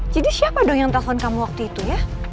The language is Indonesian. jadi siapa dong yang telepon kamu waktu itu ya